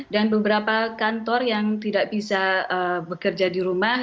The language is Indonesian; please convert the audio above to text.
beberapa kantor yang tidak bisa bekerja di rumah